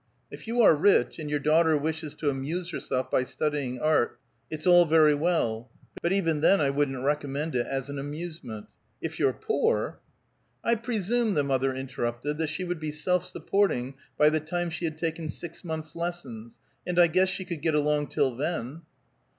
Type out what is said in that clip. If you are rich, and your daughter wishes to amuse herself by studying art, it's all very well; but even then I wouldn't recommend it as an amusement. If you're poor " "I presume," the mother interrupted, "that she would be self supporting by the time she had taken six months' lessons, and I guess she could get along till then."